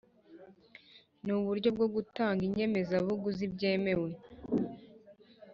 Ni uburyo bwo gutanga inyemezabuguzi bwemewe